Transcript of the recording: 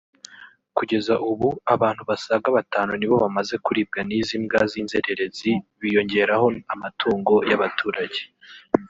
Kugeza ubu abantu basaga batanu ni bo bamaze kuribwa n’izi mbwa z’inzererezi biyongeraho amatungo y’abaturage